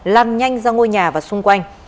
lăn nhanh ra ngôi nhà và xung quanh